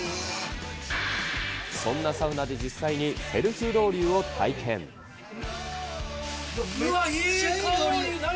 そんなサウナで実際にセルフうわー、いい香り。